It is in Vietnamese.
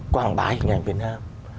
quảng bá hình ảnh việt nam